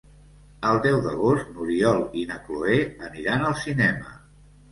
El deu d'agost n'Oriol i na Cloè aniran al cinema.